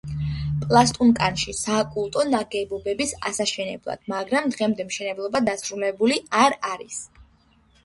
პლასტუნკაში საკულტო ნაგებობის ასაშენებლად, მაგრამ დღემდე მშენებლობა დასრულებული არ არის.